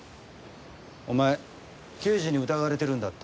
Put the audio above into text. お前刑事に疑われてるんだって？